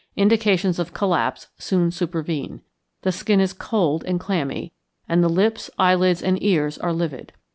Indications of collapse soon supervene. The skin is cold and clammy, and the lips, eyelids, and ears, are livid.